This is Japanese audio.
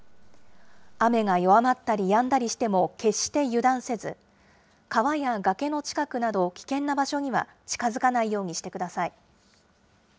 雨が弱まったりやんだりしても決して油断せず、川や崖の近くなど、危険な場所には近づかないようにしてください。